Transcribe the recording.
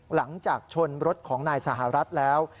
หลังจากชนรถของนายสหรัฐแล้ว